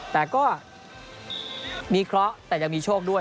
แต่ก็มีเคราะห์แต่ยังมีโชคด้วย